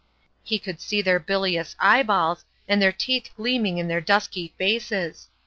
He could see their bilious eyeballs, and their teeth gleaming in their dusky faces.